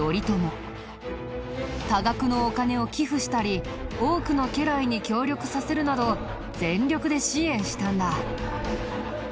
多額のお金を寄付したり多くの家来に協力させるなど全力で支援したんだ。